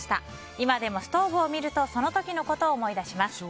今でもストーブを見るとその時のことを思い出します。